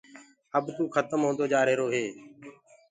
اب ڪو کتم هوندو جآرهيرو هي۔